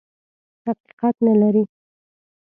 حقیقت نه لري.